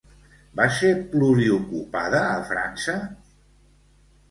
Va ser pluriocupada a França?